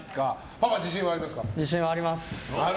パパ、自信はありますか？